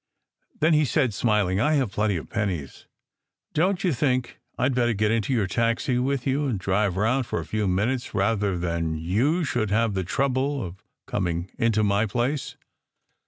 Then he said, smiling, "I have plenty of pennies! Don t you think I d better get into your taxi with you, and drive round for a few minutes rather than you should have the trouble of coming into my place?"